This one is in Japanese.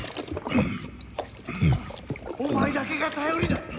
お前だけが頼りだ！